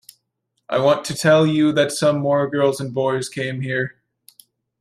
I want to tell you that some more girls and boys came here.